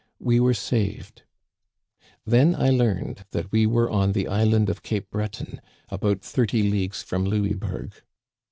We were saved. Then I learned that we were on the island of Cape Breton, about thirty leagues from Louisbourg.